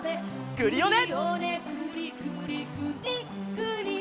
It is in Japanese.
クリオネ！